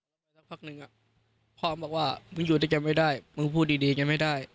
อีกสักพักหนึ่งอะพ่อมันบอกว่ามึงอยู่ด้วยกันไม่ได้มึงพูดดีกันไม่ได้